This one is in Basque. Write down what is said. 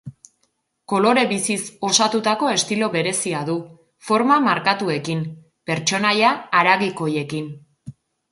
Kolore biziz osatutako estilo berezia du, forma markatuekin, pertsonaia haragikoiekin.